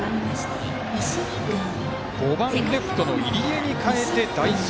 ５番レフトの入江に代えて代走。